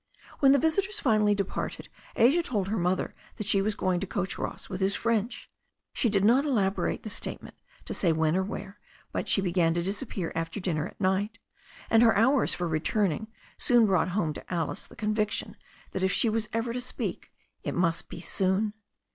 When the visitors finally departed Asia told her mother that she was going to coach Ross with his French. She did not elaborate the statement to say when or where, but she began to disappear after dinner at night, and her hours for returning soon brought home to Alice the conviction that if she was ever to speak it must be soon.